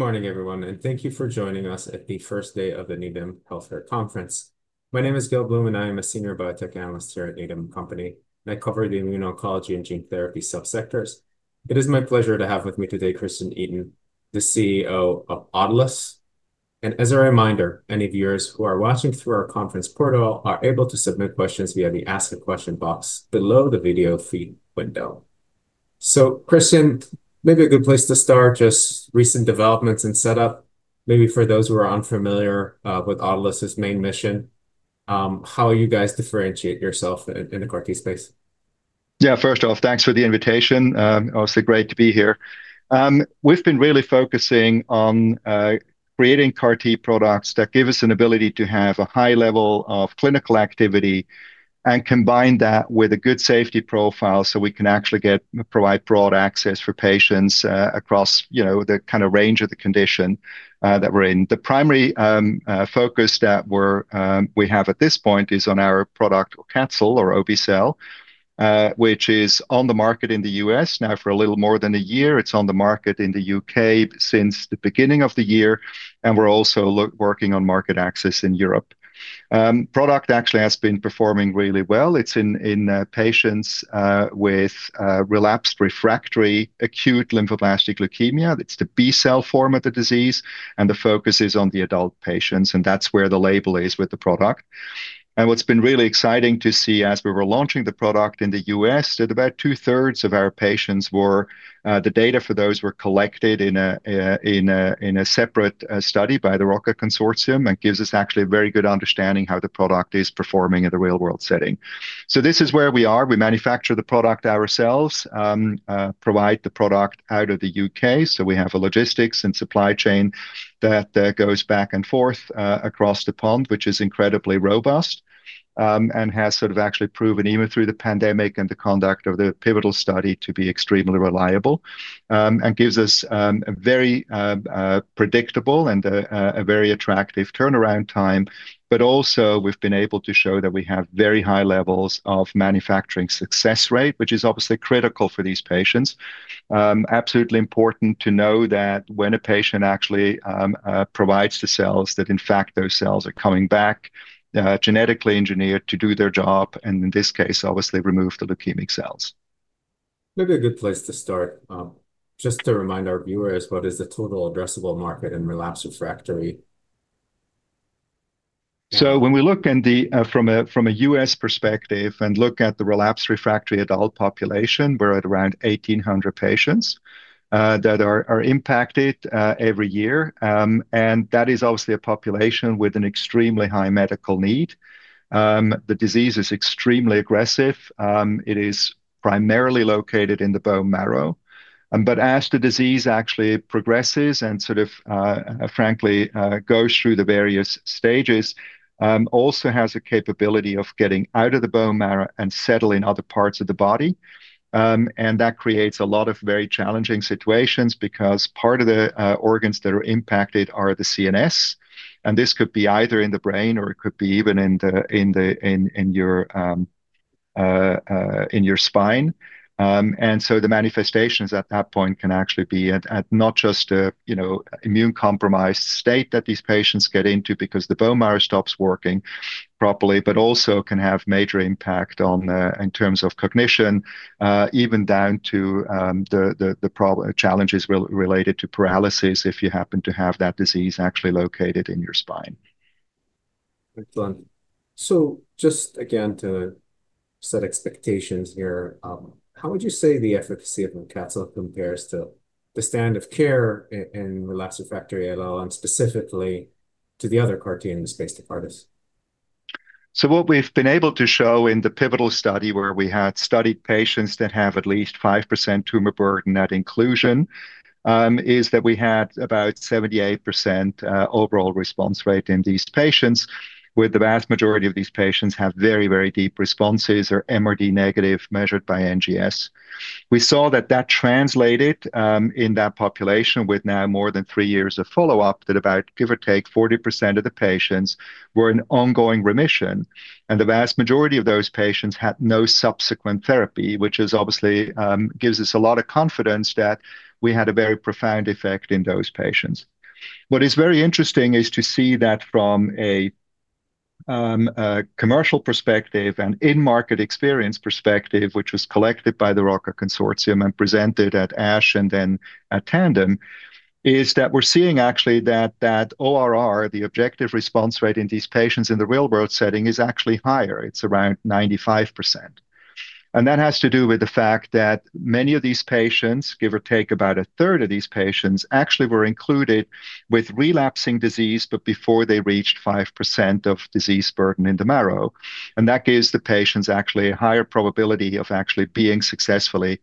Morning everyone, thank you for joining us at the first day of the Needham Healthcare Conference. My name is Gil Blum, and I am a Senior Biotech Analyst here at Needham & Company, and I cover the immuno-oncology and gene therapy sub-sectors. It is my pleasure to have with me today Christian Itin, the CEO of Autolus. As a reminder, any viewers who are watching through our conference portal are able to submit questions via the Ask a Question box below the video feed window. Christian, maybe a good place to start, just recent developments and setup, maybe for those who are unfamiliar with Autolus' main mission, how you guys differentiate yourself in the CAR-T space. Yeah. First off, thanks for the invitation. It is obviously great to be here. We've been really focusing on creating CAR-T products that give us an ability to have a high level of clinical activity and combine that with a good safety profile so we can actually provide broad access for patients across the kind of range of the condition that we're in. The primary focus that we have at this point is on our product AUCATZYL or obe-cel, which is on the market in the U.S. now for a little more than a year. It's on the market in the U.K. since the beginning of the year, and we're also working on market access in Europe. The product actually has been performing really well. It's in patients with relapsed refractory acute lymphoblastic leukemia. It's the B-cell form of the disease, and the focus is on the adult patients, and that's where the label is with the product. What's been really exciting to see as we were launching the product in the U.S. that about 2/3 of our patients were, the data for those were collected in a separate study by the Rocket Consortium and gives us actually a very good understanding how the product is performing in the real-world setting. This is where we are. We manufacture the product ourselves, provide the product out of the U.K. We have a logistics and supply chain that goes back and forth across the pond, which is incredibly robust, and has sort of actually proven even through the pandemic and the conduct of the pivotal study to be extremely reliable, and gives us a very predictable and a very attractive turnaround time. Also, we've been able to show that we have very high levels of manufacturing success rate, which is obviously critical for these patients. Absolutely important to know that when a patient actually provides T-cells, that, in fact, those cells are coming back genetically engineered to do their job, and in this case, obviously remove the leukemic cells. Maybe a good place to start, just to remind our viewers, what is the total addressable market in relapsed/refractory? When we look from a U.S. perspective and look at the relapse refractory adult population, we're at around 1,800 patients that are impacted every year. That is obviously a population with an extremely high medical need. The disease is extremely aggressive. It is primarily located in the bone marrow. As the disease actually progresses and sort of, frankly, goes through the various stages, also has a capability of getting out of the bone marrow and settle in other parts of the body. That creates a lot of very challenging situations because part of the organs that are impacted are the CNS, and this could be either in the brain or it could be even in your spine. The manifestations at that point can actually be at not just a immunocompromised state that these patients get into because the bone marrow stops working properly, but also can have major impact in terms of cognition, even down to the challenges related to paralysis if you happen to have that disease actually located in your spine. Excellent. Just again, to set expectations here, how would you say the efficacy of AUCATZYL compares to the standard of care in relapse refractory ALL and specifically to the other CAR-T in the space, Novartis? What we've been able to show in the pivotal study where we had studied patients that have at least 5% tumor burden at inclusion, is that we had about 78% overall response rate in these patients, with the vast majority of these patients have very deep responses, are MRD-negative, measured by NGS. We saw that that translated in that population with now more than three years of follow-up, that about, give or take, 40% of the patients were in ongoing remission, and the vast majority of those patients had no subsequent therapy, which obviously gives us a lot of confidence that we had a very profound effect in those patients. What is very interesting is to see that from a commercial perspective and in-market experience perspective, which was collected by the Rocket Consortium and presented at ASH and then at Tandem, is that we're seeing actually that ORR, the objective response rate in these patients in the real-world setting is actually higher. It's around 95%. That has to do with the fact that many of these patients, give or take, about 1/3 of these patients actually were included with relapsing disease, but before they reached 5% of disease burden in the marrow. That gives the patients actually a higher probability of actually being successfully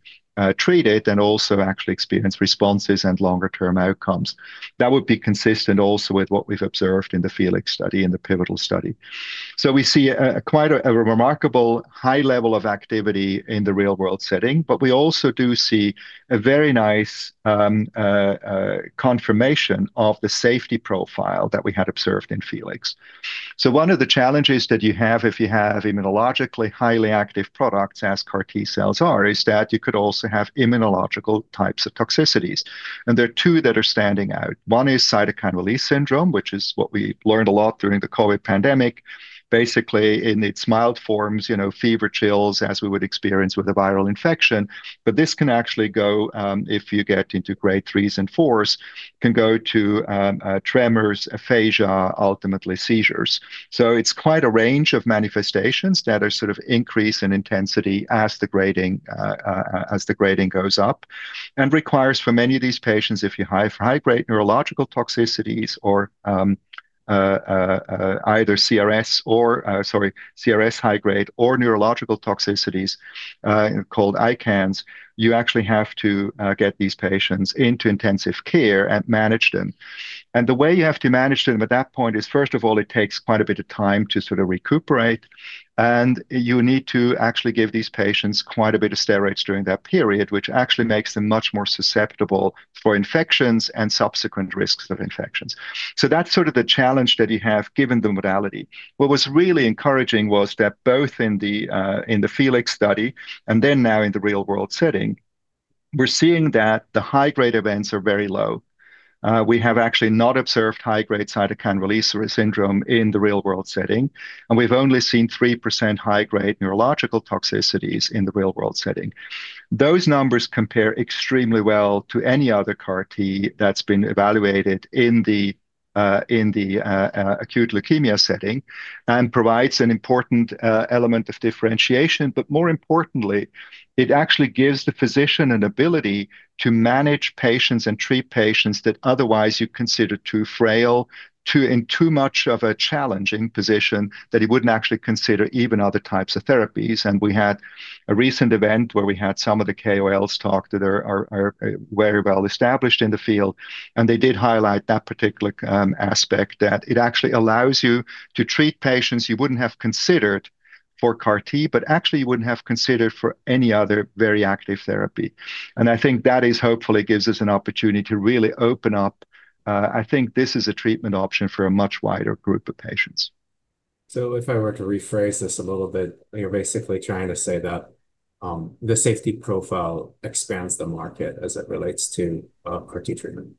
treated and also actually experience responses and longer-term outcomes. That would be consistent also with what we've observed in the FELIX study, in the pivotal study. We see quite a remarkable high level of activity in the real-world setting, but we also do see a very nice confirmation of the safety profile that we had observed in FELIX. One of the challenges that you have if you have immunologically highly active products, as CAR T-cells are, is that you could also have immunological types of toxicities, and there are two that are standing out. One is cytokine release syndrome, which is what we learned a lot during the COVID pandemic, basically in its mild forms, fever, chills, as we would experience with a viral infection. This can actually go, if you get into grade threes and fours, can go to tremors, aphasia, ultimately seizures. It's quite a range of manifestations that are sort of increase in intensity as the grading goes up and requires for many of these patients, if you have high-grade neurological toxicities or either CRS high grade or neurological toxicities, called ICANS, you actually have to get these patients into intensive care and manage them. The way you have to manage them at that point is, first of all, it takes quite a bit of time to sort of recuperate, and you need to actually give these patients quite a bit of steroids during that period, which actually makes them much more susceptible for infections and subsequent risks of infections. That's sort of the challenge that you have given the modality. What was really encouraging was that both in the FELIX study and then now in the real-world setting, we're seeing that the high-grade events are very low. We have actually not observed high-grade cytokine release syndrome in the real-world setting, and we've only seen 3% high-grade neurological toxicities in the real-world setting. Those numbers compare extremely well to any other CAR-T that's been evaluated in the acute leukemia setting and provides an important element of differentiation. More importantly, it actually gives the physician an ability to manage patients and treat patients that otherwise you'd consider too frail, in too much of a challenging position that you wouldn't actually consider even other types of therapies. We had a recent event where we had some of the KOLs talk that are very well established in the field, and they did highlight that particular aspect, that it actually allows you to treat patients you wouldn't have considered for CAR-T, but actually you wouldn't have considered for any other very active therapy. I think that hopefully gives us an opportunity to really open up. I think this is a treatment option for a much wider group of patients. If I were to rephrase this a little bit, you're basically trying to say that the safety profile expands the market as it relates to CAR-T treatment.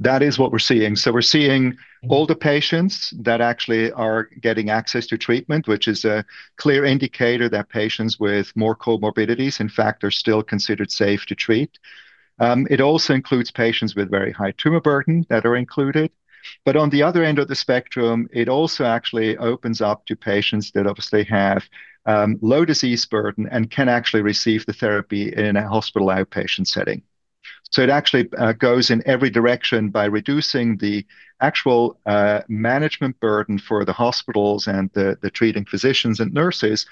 That is what we're seeing. So we're seeing older patients that actually are getting access to treatment, which is a clear indicator that patients with more comorbidities, in fact, are still considered safe to treat. It also includes patients with very high tumor burden that are included. But on the other end of the spectrum, it also actually opens up to patients that obviously have low disease burden and can actually receive the therapy in a hospital outpatient setting. So it actually goes in every direction by reducing the actual management burden for the hospitals and the treating physicians and nurses.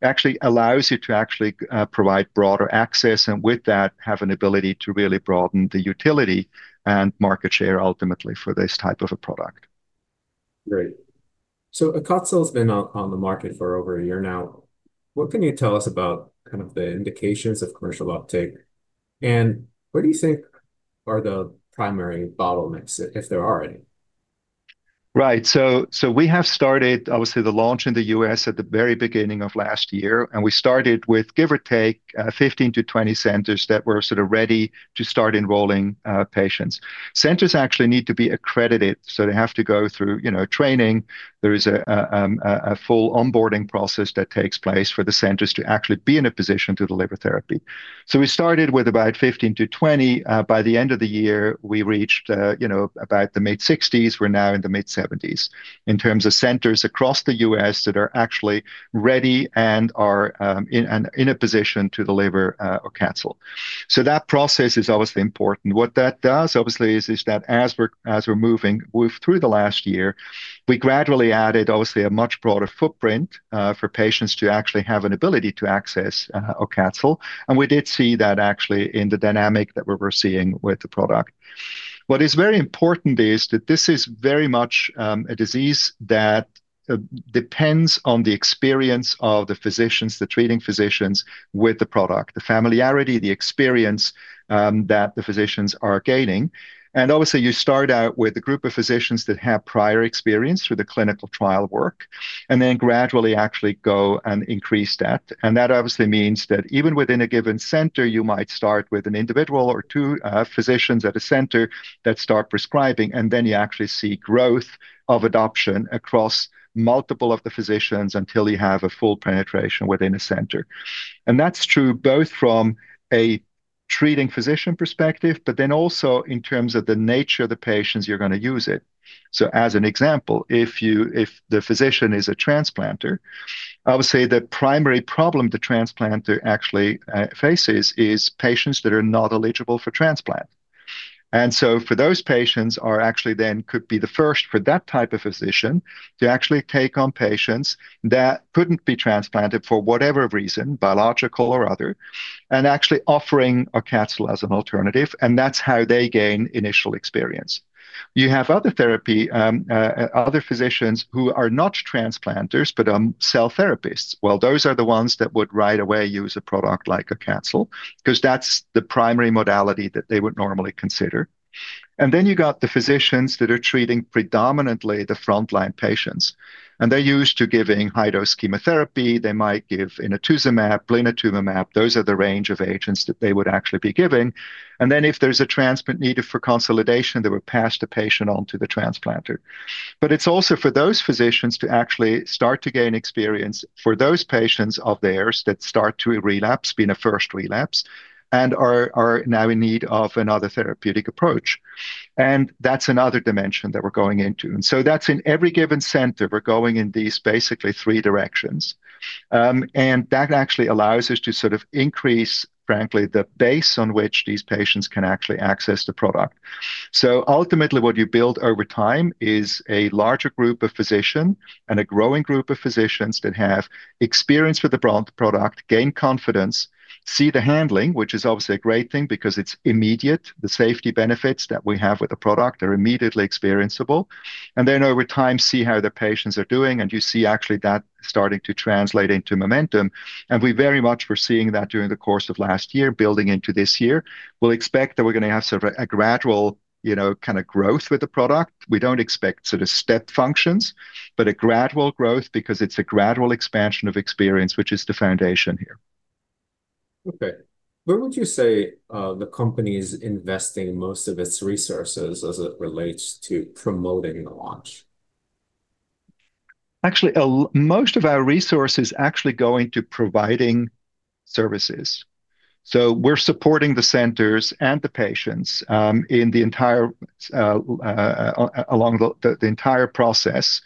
Actually allows you to actually provide broader access, and with that, have an ability to really broaden the utility and market share ultimately for this type of a product. Great. AUCATZYL's been on the market for over a year now. What can you tell us about kind of the indications of commercial uptake, and what do you think are the primary bottlenecks, if there are any? Right. We have started, obviously, the launch in the U.S. at the very beginning of last year, and we started with, give or take, 15-20 centers that were sort of ready to start enrolling patients. Centers actually need to be accredited, so they have to go through training. There is a full onboarding process that takes place for the centers to actually be in a position to deliver therapy. We started with about 15-20. By the end of the year, we reached about the mid-60s. We're now in the mid-70s in terms of centers across the U.S. that are actually ready and are in a position to deliver AUCATZYL. That process is obviously important. What that does, obviously, is that as we're moving through the last year, we gradually added, obviously, a much broader footprint for patients to actually have an ability to access AUCATZYL. We did see that actually in the dynamic that we're seeing with the product. What is very important is that this is very much a disease that depends on the experience of the physicians, the treating physicians with the product, the familiarity, the experience that the physicians are gaining. Obviously, you start out with a group of physicians that have prior experience through the clinical trial work and then gradually actually go and increase that. That obviously means that even within a given center, you might start with an individual or two physicians at a center that start prescribing, and then you actually see growth of adoption across multiple of the physicians until you have a full penetration within a center. That's true both from a treating physician perspective, but then also in terms of the nature of the patients you're going to use it. As an example, if the physician is a transplanter, obviously the primary problem the transplanter actually faces is patients that are not eligible for transplant. Those patients actually then could be the first for that type of physician to actually take on patients that couldn't be transplanted for whatever reason, biological or other, and actually offering AUCATZYL as an alternative, and that's how they gain initial experience. You have other physicians who are not transplanters, but are cell therapists. Well, those are the ones that would right away use a product like a AUCATZYL because that's the primary modality that they would normally consider. You got the physicians that are treating predominantly the frontline patients, and they're used to giving high-dose chemotherapy. They might give inotuzumab, blinatumomab. Those are the range of agents that they would actually be giving. If there's a transplant needed for consolidation, they would pass the patient on to the transplanter. It's also for those physicians to actually start to gain experience for those patients of theirs that start to relapse, being a first relapse, and are now in need of another therapeutic approach. That's another dimension that we're going into. That's in every given center. We're going in these basically three directions. That actually allows us to sort of increase, frankly, the base on which these patients can actually access the product. Ultimately, what you build over time is a larger group of physician and a growing group of physicians that have experience with the product, gain confidence, see the handling, which is obviously a great thing because it's immediate. The safety benefits that we have with the product are immediately experienceable. Over time, see how the patients are doing, and you see actually that starting to translate into momentum. We very much were seeing that during the course of last year, building into this year. We'll expect that we're going to have sort of a gradual kind of growth with the product. We don't expect sort of step functions, but a gradual growth because it's a gradual expansion of experience, which is the foundation here. Okay. Where would you say the company's investing most of its resources as it relates to promoting the launch? Actually, most of our resources actually going to providing services. We're supporting the centers and the patients along the entire process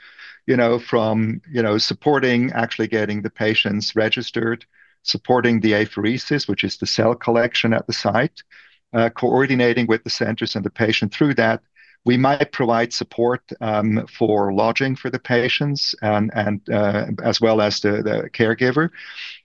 from supporting actually getting the patients registered, supporting the apheresis, which is the cell collection at the site, coordinating with the centers and the patient through that. We might provide support for lodging for the patients, as well as the caregiver,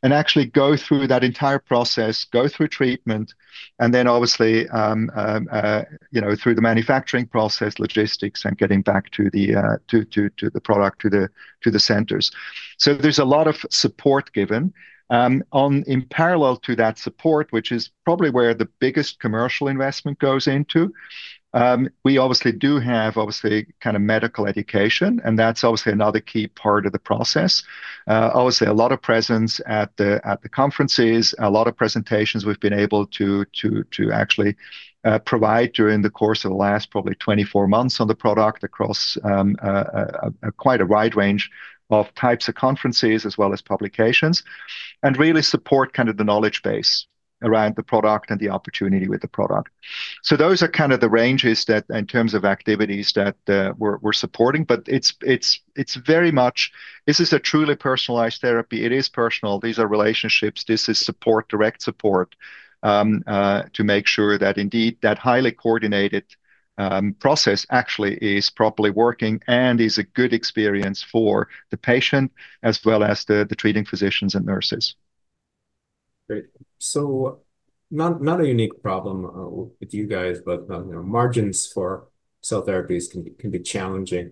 and actually go through that entire process, go through treatment, and then obviously through the manufacturing process, logistics, and getting back the product to the centers. There's a lot of support given. In parallel to that support, which is probably where the biggest commercial investment goes into, we obviously do have, obviously, kind of medical education, and that's obviously another key part of the process. Obviously, a lot of presence at the conferences, a lot of presentations we've been able to actually provide during the course of the last probably 24 months on the product across quite a wide range of types of conferences as well as publications, and really support kind of the knowledge base around the product and the opportunity with the product. Those are kind of the ranges in terms of activities that we're supporting, but it's very much, this is a truly personalized therapy. It is personal. These are relationships. This is support, direct support, to make sure that indeed, that highly coordinated process actually is properly working and is a good experience for the patient as well as the treating physicians and nurses. Great. Not a unique problem with you guys, but margins for cell therapies can be challenging.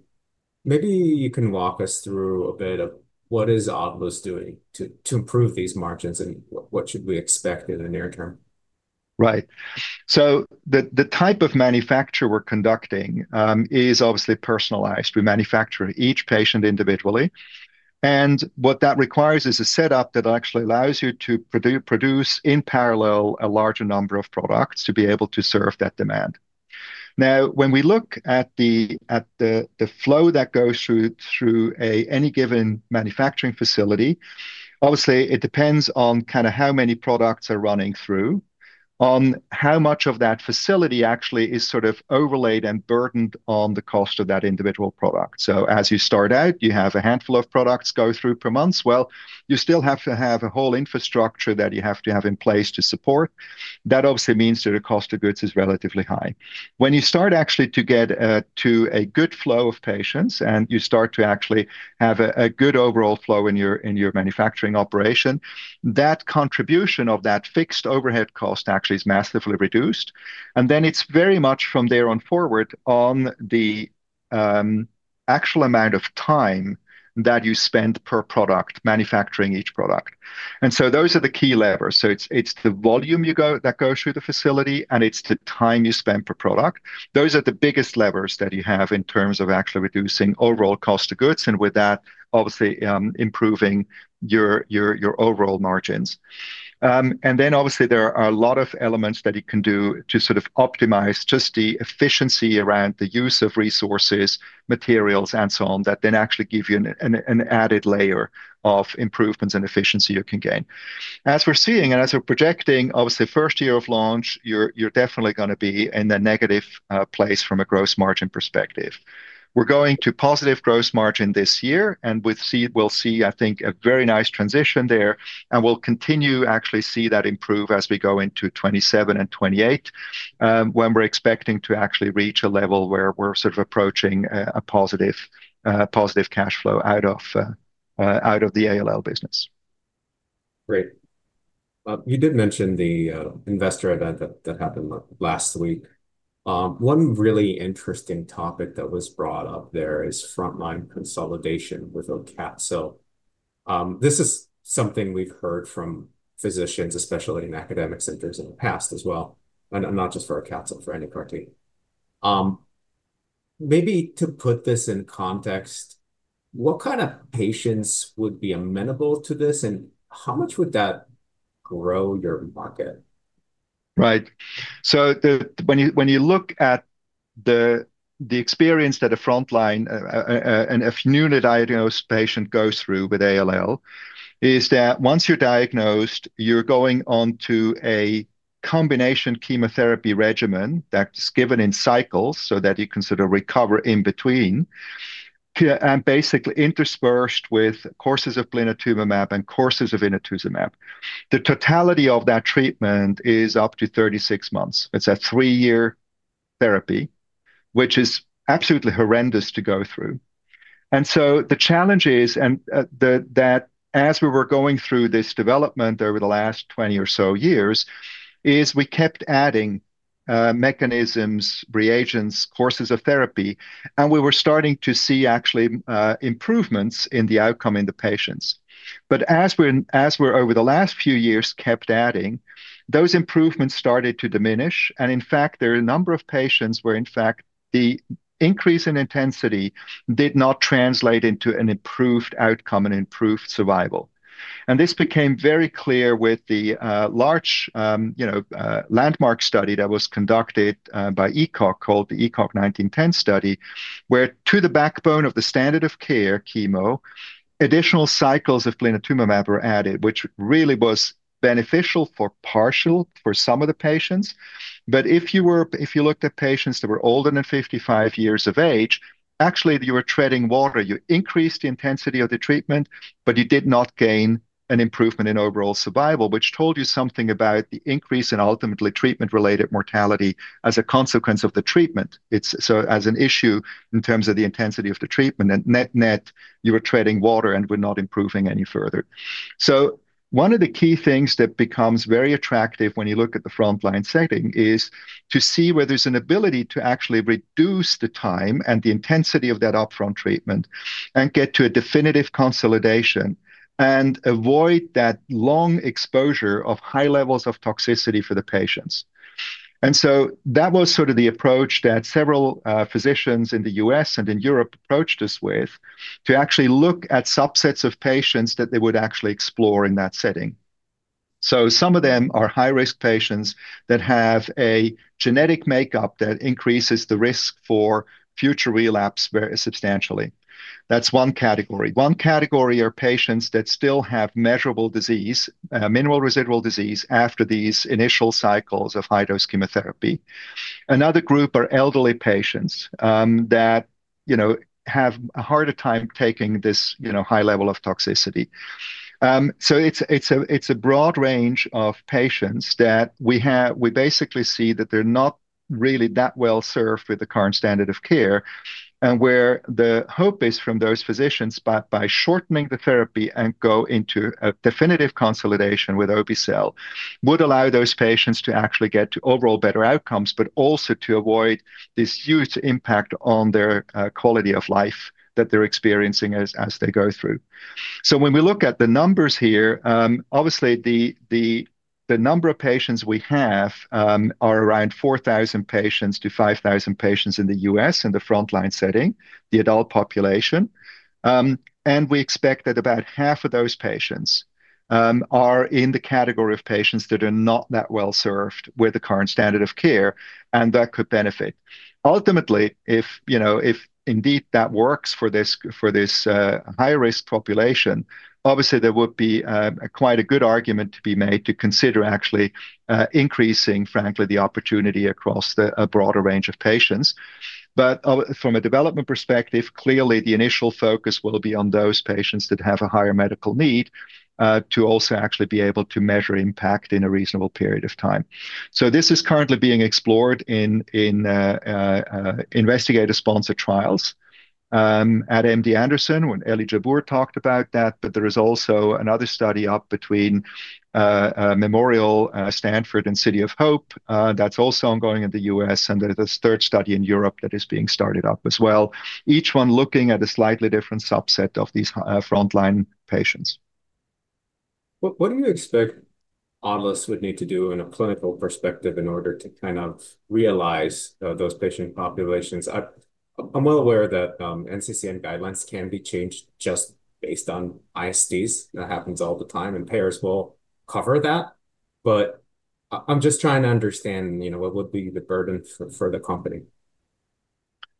Maybe you can walk us through a bit of what is Autolus doing to improve these margins, and what should we expect in the near term? Right. The type of manufacture we're conducting is obviously personalized. We manufacture each patient individually, and what that requires is a setup that actually allows you to produce, in parallel, a larger number of products to be able to serve that demand. Now, when we look at the flow that goes through any given manufacturing facility, obviously it depends on kind of how many products are running through, on how much of that facility actually is sort of overlaid and burdened on the cost of that individual product. As you start out, you have a handful of products go through per month. Well, you still have to have a whole infrastructure that you have to have in place to support. That obviously means that the cost of goods is relatively high. When you start actually to get to a good flow of patients and you start to actually have a good overall flow in your manufacturing operation, that contribution of that fixed overhead cost actually is massively reduced. It's very much from there on forward on the actual amount of time that you spend per product manufacturing each product. Those are the key levers. It's the volume that goes through the facility and it's the time you spend per product. Those are the biggest levers that you have in terms of actually reducing overall cost of goods and with that, obviously, improving your overall margins. Obviously there are a lot of elements that you can do to sort of optimize just the efficiency around the use of resources, materials, and so on, that then actually give you an added layer of improvements and efficiency you can gain. As we're seeing and as we're projecting, obviously first year of launch, you're definitely going to be in a negative place from a gross margin perspective. We're going to positive gross margin this year. We'll see, I think, a very nice transition there. We'll continue actually see that improve as we go into 2027 and 2028, when we're expecting to actually reach a level where we're sort of approaching a positive cash flow out of the ALL business. Great. You did mention the investor event that happened last week. One really interesting topic that was brought up there is frontline consolidation with AUCATZYL. This is something we've heard from physicians, especially in academic centers in the past as well, and not just for AUCATZYL, for any CAR-T. Maybe to put this in context, what kind of patients would be amenable to this, and how much would that grow your market? Right. When you look at the experience that a frontline, a newly diagnosed patient goes through with ALL, is that once you're diagnosed, you're going on to a combination chemotherapy regimen that is given in cycles so that you can sort of recover in between, and basically interspersed with courses of blinatumomab and courses of inotuzumab. The totality of that treatment is up to 36 months. It's a three-year therapy, which is absolutely horrendous to go through. The challenge is, and that as we were going through this development over the last 20 or so years, is we kept adding mechanisms, reagents, courses of therapy, and we were starting to see actually improvements in the outcome in the patients. As we've over the last few years kept adding, those improvements started to diminish, and in fact, there are a number of patients where in fact the increase in intensity did not translate into an improved outcome and improved survival. This became very clear with the large landmark study that was conducted by ECOG, called the ECOG 1910 study, where, to the backbone of the standard of care, chemo, additional cycles of blinatumomab were added, which really was beneficial for some of the patients. If you looked at patients that were older than 55 years of age, actually, you were treading water. You increased the intensity of the treatment, but you did not gain an improvement in overall survival, which told you something about the increase in ultimately treatment-related mortality as a consequence of the treatment. As an issue in terms of the intensity of the treatment, at net-net, you were treading water, and we're not improving any further. One of the key things that becomes very attractive when you look at the frontline setting is to see where there's an ability to actually reduce the time and the intensity of that upfront treatment and get to a definitive consolidation and avoid that long exposure of high levels of toxicity for the patients. That was sort of the approach that several physicians in the U.S. and in Europe approached us with, to actually look at subsets of patients that they would actually explore in that setting. Some of them are high-risk patients that have a genetic makeup that increases the risk for future relapse substantially. That's one category. One category are patients that still have measurable disease, minimal residual disease, after these initial cycles of high-dose chemotherapy. Another group are elderly patients that have a harder time taking this high level of toxicity. It's a broad range of patients that we basically see that they're not really that well served with the current standard of care, and where the hope is from those physicians by shortening the therapy and go into a definitive consolidation with obe-cel would allow those patients to actually get to overall better outcomes, but also to avoid this huge impact on their quality of life that they're experiencing as they go through. When we look at the numbers here, obviously the number of patients we have are around 4,000 patients-5,000 patients in the U.S. in the frontline setting, the adult population. We expect that about half of those patients are in the category of patients that are not that well served with the current standard of care and that could benefit. Ultimately, if indeed that works for this high-risk population, obviously, there would be quite a good argument to be made to consider actually increasing, frankly, the opportunity across a broader range of patients. From a development perspective, clearly the initial focus will be on those patients that have a higher medical need, to also actually be able to measure impact in a reasonable period of time. This is currently being explored in investigator-sponsored trials at MD Anderson, when Elias Jabbour talked about that. There is also another study up between Memorial, Stanford, and City of Hope that's also ongoing in the U.S., and there's this third study in Europe that is being started up as well, each one looking at a slightly different subset of these frontline patients. What do you expect Autolus would need to do in a clinical perspective in order to kind of realize those patient populations? I'm well aware that NCCN Guidelines can be changed just based on ISTs. That happens all the time, and payers will cover that. I'm just trying to understand what would be the burden for the company.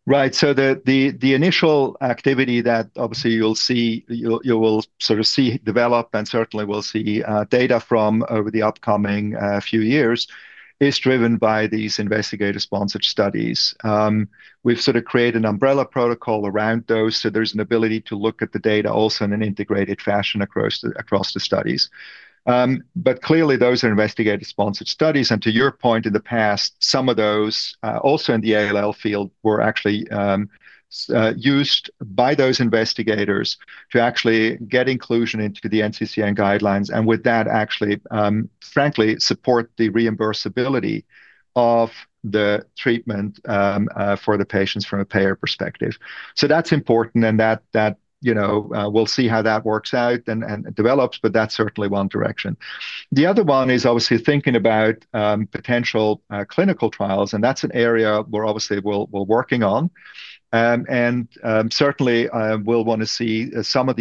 Right. The initial activity that obviously you will sort of see develop and certainly will see data from over the upcoming few years is driven by these investigator-sponsored studies. We've sort of created an umbrella protocol around those, so there's an ability to look at the data also in an integrated fashion across the studies. Clearly, those are investigator-sponsored studies. To your point, in the past, some of those, also in the ALL field, were actually used by those investigators to actually get inclusion into the NCCN Guidelines, and with that actually, frankly, support the reimbursability of the treatment for the patients from a payer perspective. That's important and that we'll see how that works out and develops, but that's certainly one direction. The other one is obviously thinking about potential clinical trials, and that's an area we're obviously working on. Certainly, we'll want to see where some of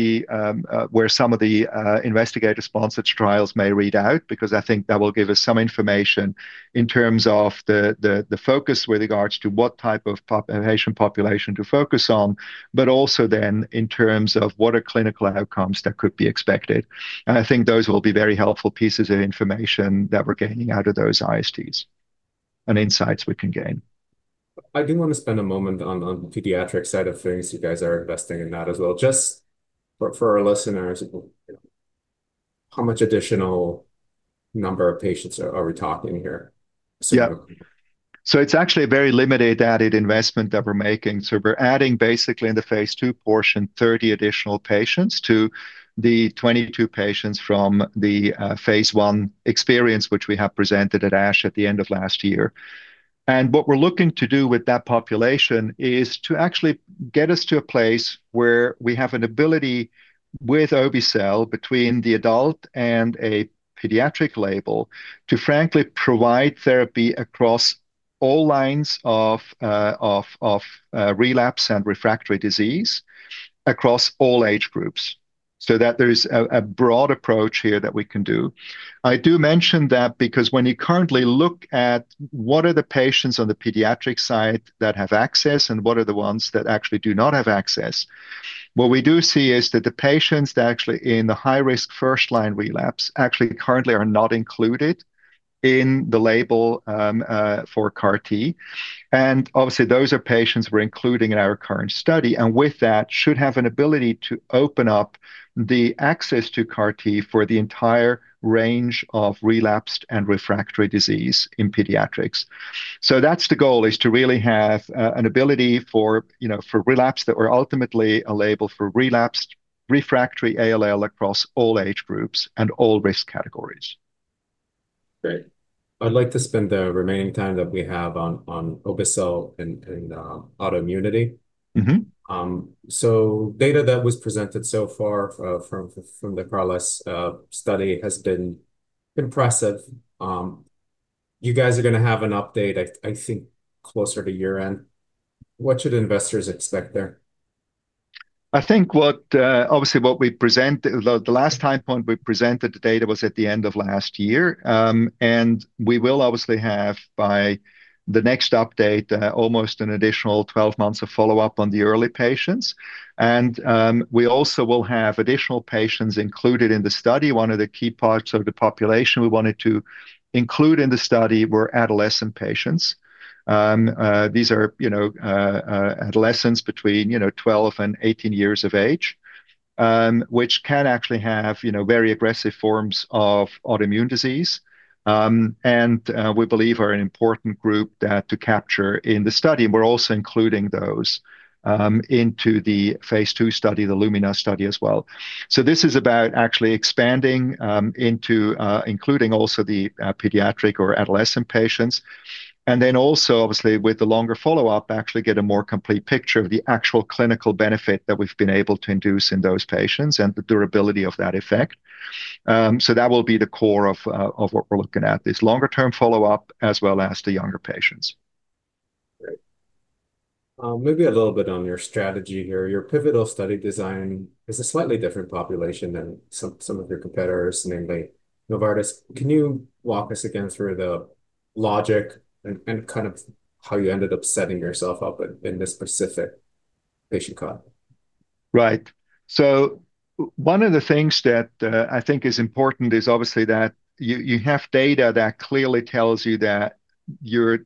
the Investigator-Sponsored Trials may read out, because I think that will give us some information in terms of the focus with regards to what type of patient population to focus on, but also then in terms of what are clinical outcomes that could be expected. I think those will be very helpful pieces of information that we're getting out of those ISTs, and insights we can gain. I do want to spend a moment on the pediatric side of things. You guys are investing in that as well. Just for our listeners, how much additional number of patients are we talking here? Yeah. It's actually a very limited added investment that we're making. We're adding basically in the phase II portion, 30 additional patients to the 22 patients from the phase I experience, which we have presented at ASH at the end of last year. What we're looking to do with that population is to actually get us to a place where we have an ability with obe-cel between the adult and a pediatric label to frankly provide therapy across all lines of relapse and refractory disease across all age groups, so that there is a broad approach here that we can do. I do mention that because when you currently look at what are the patients on the pediatric side that have access and what are the ones that actually do not have access, what we do see is that the patients that actually in the high-risk first-line relapse actually currently are not included in the label for CAR-T. Obviously, those are patients we're including in our current study, and with that should have an ability to open up the access to CAR-T for the entire range of relapsed and refractory disease in pediatrics. That's the goal, is to really have an ability for relapse that were ultimately a label for relapsed refractory ALL across all age groups and all risk categories. Great. I'd like to spend the remaining time that we have on obe-cel and autoimmunity. Mm-hmm. Data that was presented so far from the CARLYSLE study has been impressive. You guys are going to have an update, I think, closer to year-end. What should investors expect there? I think obviously what we present, the last time point we presented the data was at the end of last year. We will obviously have by the next update, almost an additional 12 months of follow-up on the early patients. We also will have additional patients included in the study. One of the key parts of the population we wanted to include in the study were adolescent patients. These are adolescents between 12 and 18 years of age, which can actually have very aggressive forms of autoimmune disease, and we believe are an important group to capture in the study. We're also including those into the phase II study, the LUMINA study as well. This is about actually expanding into including also the pediatric or adolescent patients, and then also obviously with the longer follow-up, actually get a more complete picture of the actual clinical benefit that we've been able to induce in those patients and the durability of that effect. That will be the core of what we're looking at, this longer-term follow-up, as well as the younger patients. Great, maybe a little bit on your strategy here. Your pivotal study design is a slightly different population than some of your competitors, namely Novartis. Can you walk us again through the logic and kind of how you ended up setting yourself up in this specific patient cohort? Right. One of the things that I think is important is obviously that you have data that clearly tells you that your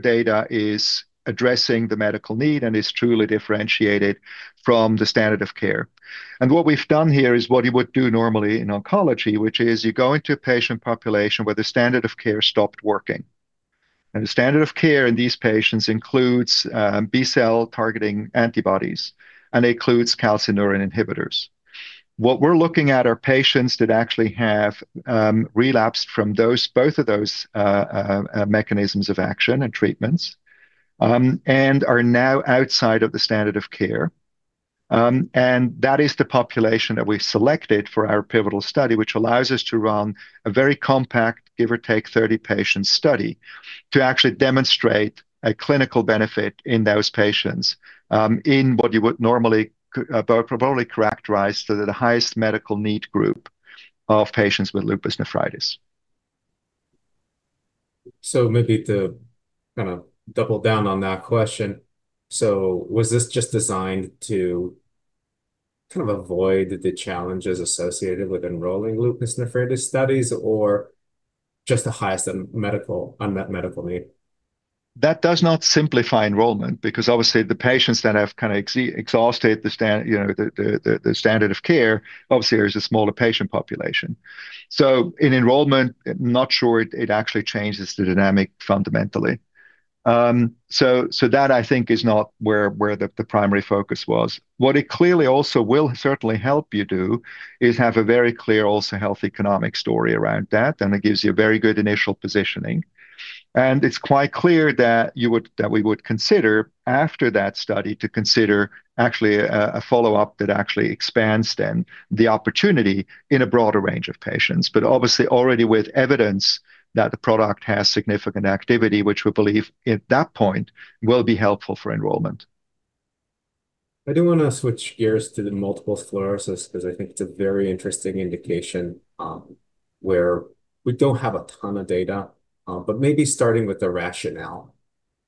data is addressing the medical need and is truly differentiated from the standard of care. What we've done here is what you would do normally in oncology, which is you go into a patient population where the standard of care stopped working. The standard of care in these patients includes B-cell targeting antibodies and includes calcineurin inhibitors. What we're looking at are patients that actually have relapsed from both of those mechanisms of action and treatments, and are now outside of the standard of care. That is the population that we've selected for our pivotal study, which allows us to run a very compact, give or take 30 patients study to actually demonstrate a clinical benefit in those patients, in what you would normally probably characterize the highest medical need group of patients with lupus nephritis. Maybe to kind of double down on that question, was this just designed to kind of avoid the challenges associated with enrolling lupus nephritis studies, or just the highest unmet medical need? That does not simplify enrollment because obviously the patients that have kind of exhausted the standard of care, obviously there is a smaller patient population. In enrollment, I'm not sure it actually changes the dynamic fundamentally. That I think is not where the primary focus was. What it clearly also will certainly help you do is have a very clear also health economic story around that, and it gives you a very good initial positioning. It's quite clear that we would consider after that study to consider actually a follow-up that actually expands then the opportunity in a broader range of patients, obviously already with evidence that the product has significant activity, which we believe at that point will be helpful for enrollment. I do want to switch gears to the multiple sclerosis because I think it's a very interesting indication, where we don't have a ton of data. Maybe starting with the rationale,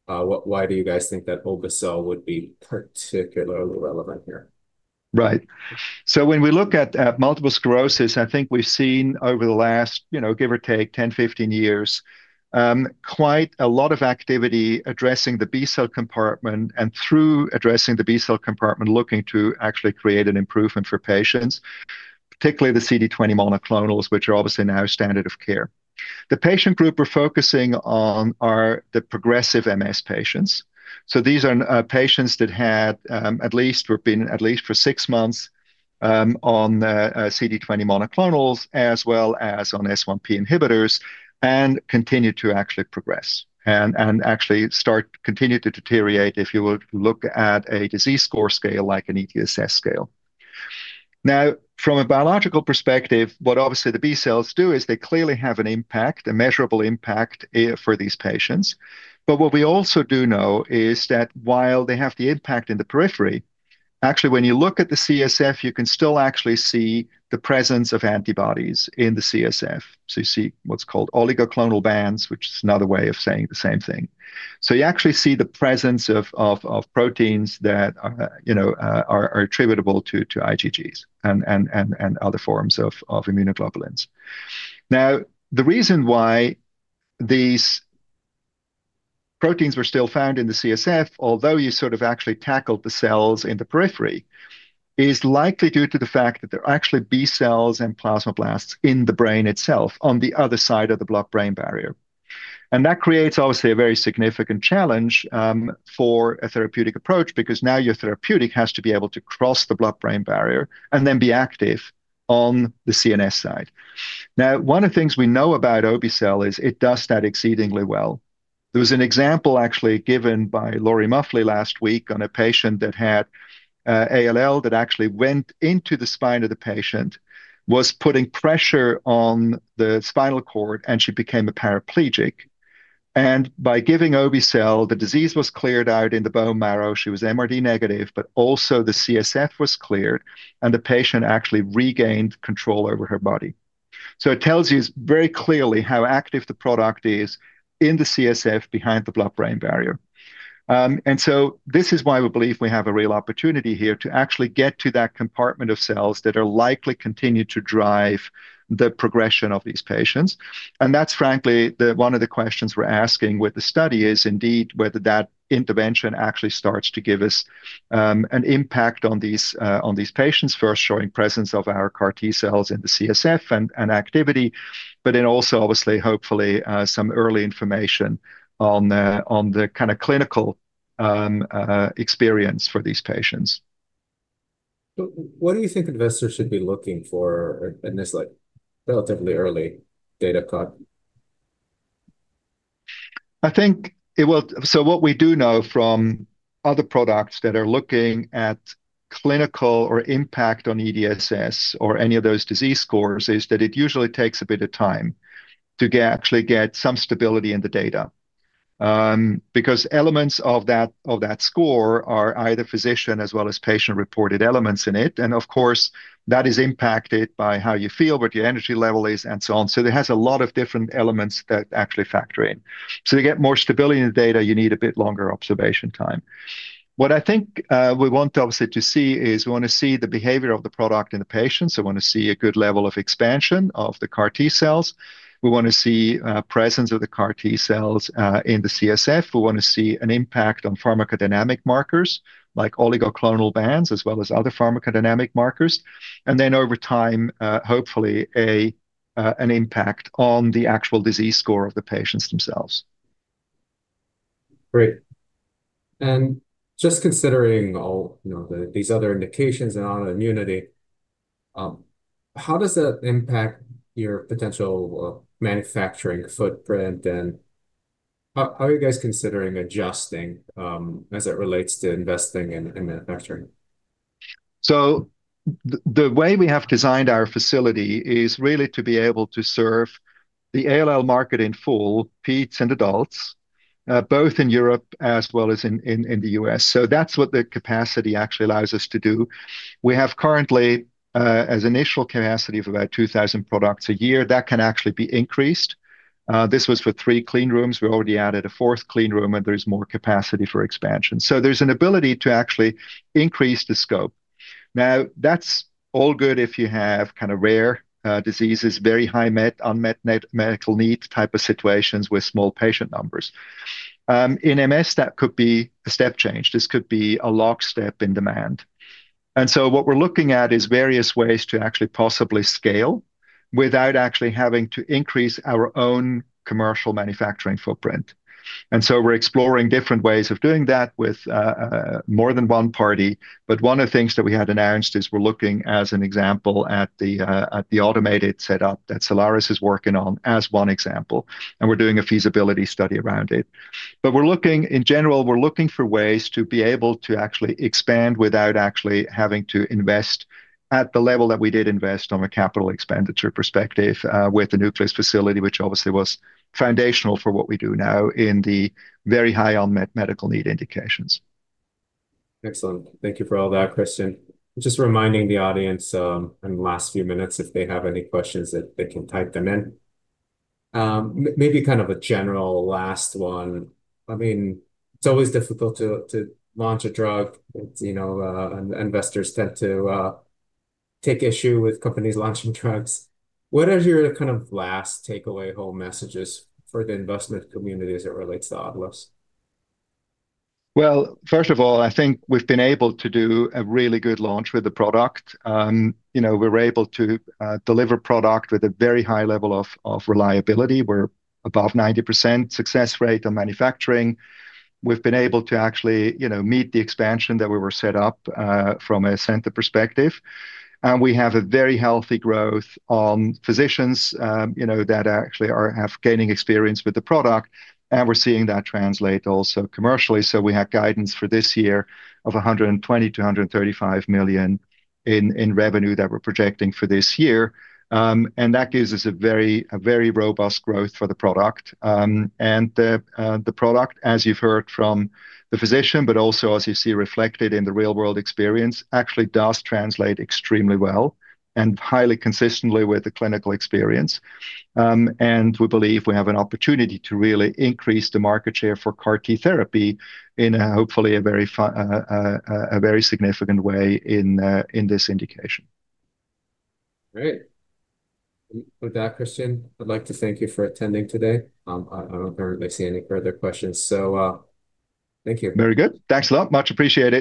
why do you guys think that obe-cel would be particularly relevant here? Right. When we look at multiple sclerosis, I think we've seen over the last, give or take 10-15 years, quite a lot of activity addressing the B-cell compartment, and through addressing the B-cell compartment, looking to actually create an improvement for patients, particularly the CD20 monoclonals, which are obviously now standard of care. The patient group we're focusing on are the progressive MS patients. These are patients that had been at least for six months on CD20 monoclonals as well as on S1P inhibitors and continue to actually progress and actually continue to deteriorate if you were to look at a disease score scale like an EDSS scale. Now, from a biological perspective, what obviously the B-cells do is they clearly have an impact, a measurable impact for these patients. What we also do know is that while they have the impact in the periphery, actually when you look at the CSF, you can still actually see the presence of antibodies in the CSF. You see what's called oligoclonal bands, which is another way of saying the same thing. You actually see the presence of proteins that are attributable to IgGs and other forms of immunoglobulins. Now, the reason why these proteins were still found in the CSF, although you sort of actually tackled the cells in the periphery, is likely due to the fact that there are actually B-cells and plasmablasts in the brain itself on the other side of the blood-brain barrier. That creates obviously a very significant challenge for a therapeutic approach because now your therapeutic has to be able to cross the blood-brain barrier and then be active on the CNS side. Now, one of the things we know about obe-cel is it does that exceedingly well. There was an example actually given by Lori Muffly last week on a patient that had ALL that actually went into the spine of the patient, was putting pressure on the spinal cord, and she became a paraplegic. By giving obe-cel, the disease was cleared out in the bone marrow. She was MRD negative, but also the CSF was cleared, and the patient actually regained control over her body. It tells you very clearly how active the product is in the CSF behind the blood-brain barrier. This is why we believe we have a real opportunity here to actually get to that compartment of cells that are likely continue to drive the progression of these patients. That's frankly one of the questions we're asking with the study is indeed whether that intervention actually starts to give us an impact on these patients, first showing presence of our CAR T-cells in the CSF and activity, but then also obviously hopefully, some early information on the kind of clinical experience for these patients. What do you think investors should be looking for in this relatively early data cut? What we do know from other products that are looking at clinical or impact on EDSS or any of those disease scores is that it usually takes a bit of time to actually get some stability in the data, because elements of that score are either physician as well as patient-reported elements in it, and of course, that is impacted by how you feel, what your energy level is, and so on. It has a lot of different elements that actually factor in. To get more stability in the data, you need a bit longer observation time. What I think we want obviously to see is we want to see the behavior of the product in the patients. We want to see a good level of expansion of the CAR T-cells. We want to see presence of the CAR T-cells in the CSF. We want to see an impact on pharmacodynamic markers like oligoclonal bands as well as other pharmacodynamic markers. Over time, hopefully an impact on the actual disease score of the patients themselves. Great. Just considering all these other indications and autoimmunity, how does that impact your potential manufacturing footprint, and how are you guys considering adjusting, as it relates to investing in manufacturing? The way we have designed our facility is really to be able to serve the ALL market in full, peds and adults, both in Europe as well as in the U.S. That's what the capacity actually allows us to do. We have currently, as initial capacity of about 2,000 products a year. That can actually be increased. This was for three clean rooms. We already added a fourth clean room, and there is more capacity for expansion. There's an ability to actually increase the scope. Now, that's all good if you have kind of rare diseases, very high unmet medical needs type of situations with small patient numbers. In MS, that could be a step change. This could be a lockstep in demand. What we're looking at is various ways to actually possibly scale without actually having to increase our own commercial manufacturing footprint. We're exploring different ways of doing that with more than one party. One of the things that we had announced is we're looking, as an example, at the automated setup that Cellares is working on as one example, and we're doing a feasibility study around it. In general, we're looking for ways to be able to actually expand without actually having to invest at the level that we did invest on a capital expenditure perspective, with the Nucleus facility, which obviously was foundational for what we do now in the very high unmet medical need indications. Excellent. Thank you for all that, Christian. Just reminding the audience, in the last few minutes, if they have any questions, that they can type them in. Maybe kind of a general last one, it's always difficult to launch a drug, and investors tend to take issue with companies launching drugs. What is your kind of last takeaway home messages for the investment community as it relates to Autolus? Well, first of all, I think we've been able to do a really good launch with the product. We were able to deliver product with a very high level of reliability. We're above 90% success rate on manufacturing. We've been able to actually meet the expansion that we were set up from a center perspective. We have a very healthy growth on physicians that actually are gaining experience with the product. We're seeing that translate also commercially, so we have guidance for this year of $120 million-$135 million in revenue that we're projecting for this year. That gives us a very robust growth for the product. The product, as you've heard from the physician, but also as you see reflected in the real-world experience, actually does translate extremely well and highly consistently with the clinical experience. We believe we have an opportunity to really increase the market share for CAR-T therapy in hopefully a very significant way in this indication. Great. With that, Christian, I'd like to thank you for attending today. I don't really see any further questions. Thank you. Very good. Thanks a lot. Much appreciated.